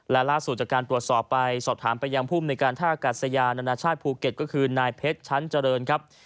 และล่าสุดจากการตรวจสอบไปสอบถามไปยังภูมิในการท่ากัดสยานานาชาติภูเก็ตก็คือนายเพชรชั้นเจริญครับ